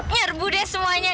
nyerbu deh semuanya